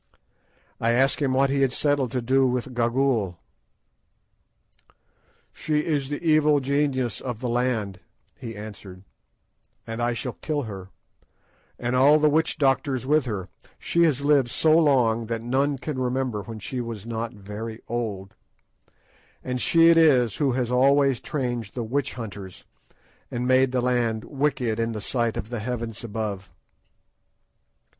I asked him what he had settled to do with Gagool. "She is the evil genius of the land," he answered, "and I shall kill her, and all the witch doctors with her! She has lived so long that none can remember when she was not very old, and she it is who has always trained the witch hunters, and made the land wicked in the sight of the heavens above."